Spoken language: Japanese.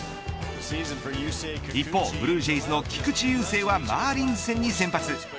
一方ブルージェイズの菊池雄星はマーリンズ戦に先発。